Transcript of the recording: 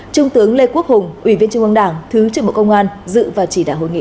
trung tướng lê quốc hùng ủy viên trung ương đảng thứ trưởng bộ công an dự và chỉ đạo hội nghị